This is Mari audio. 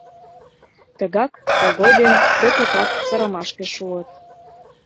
Тыгак Когой ден Пӧтукат сырымашке шуыт.